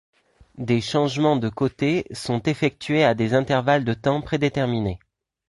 Des changements de côtés sont effectués à des intervalles de temps prédéterminés.